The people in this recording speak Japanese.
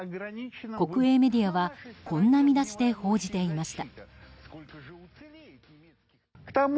国営メディアはこんな見出しで報じていました。